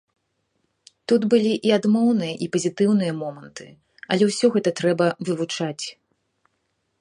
Тут былі і адмоўныя, і пазітыўныя моманты, але ўсё гэта трэба вывучаць.